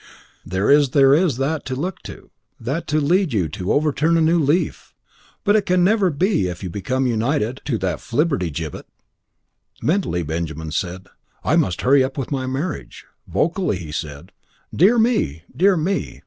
"There is there is that to look to. That to lead you to turn over a new leaf. But it can never be if you become united to that Flibbertigibbet." Mentally, Benjamin said: "I must hurry up with my marriage!" Vocally he said: "Dear me! Dear me!"